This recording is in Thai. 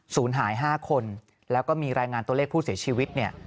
ศูนย์หาย๕คนแล้วก็มีรายงานตัวเลขผู้เสียชีวิตเนี่ย